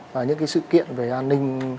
và những cái sự kiện về an ninh